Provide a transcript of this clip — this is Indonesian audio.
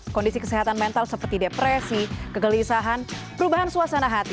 kondisi kesehatan mental seperti depresi kegelisahan perubahan suasana hati